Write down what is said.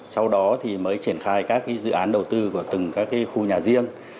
sau đó thì mới triển khai các cái dự án đầu tư của từng các cái khu nhà riêng